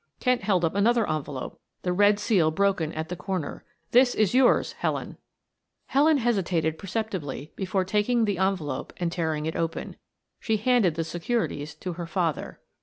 Kent held up another envelope, the red seal broken at the corner. "This is yours, Helen." Helen hesitated perceptibly before taking the envelope and tearing it open. She handed the securities to her father.